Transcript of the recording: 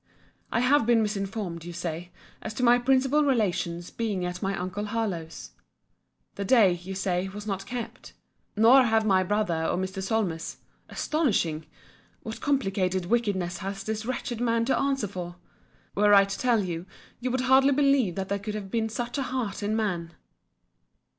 I have been misinformed, you say, as to my principal relations being at my uncle Harlowe's. The day, you say, was not kept. Nor have my brother and Mr. Solmes—Astonishing!—What complicated wickedness has this wretched man to answer for!—Were I to tell you, you would hardly believe that there could have been such a heart in man.